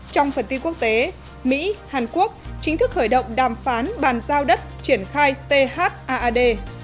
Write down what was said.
trong phần tin quốc tế mỹ hàn quốc chính thức khởi động đàm phán bàn giao đất triển khai thad